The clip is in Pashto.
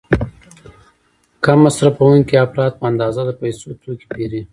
کم مصرفوونکي افراد په اندازه د پیسو توکي پیري.